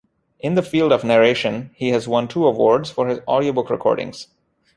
In the field of narration, he has won two awards for his audiobook recordings.